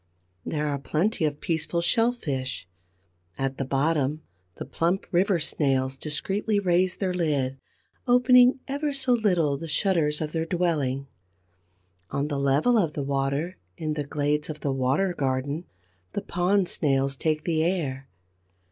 There are plenty of peaceful Shellfish. At the bottom, the plump River snails discreetly raise their lid, opening ever so little the shutters of their dwelling; on the level of the water, in the glades of the water garden, the Pond snails take the air.